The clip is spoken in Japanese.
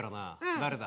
誰だ？